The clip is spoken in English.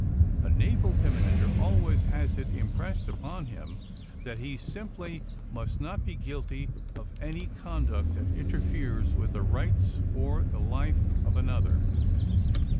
A naval commander al ways has it impressed upon him that he sim ply must not be guilty of any conduct that inter feres with the rights or the life of another."